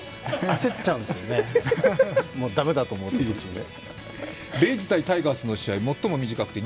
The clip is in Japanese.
焦っちゃうんですよね駄目だと思うと、途中で。